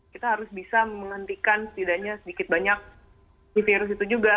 kita harus bisa menghentikan setidaknya sedikit banyak si virus itu juga